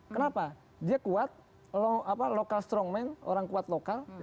kenapa dia kuat lokal strongman orang kuat lokal